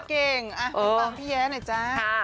ฟังพี่แยะหน่อยจ๊ะ